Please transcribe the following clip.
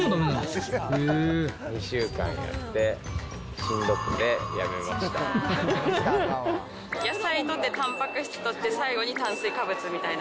２週間やって、しんどくてや野菜とって、たんぱく質とって、最後に炭水化物みたいな。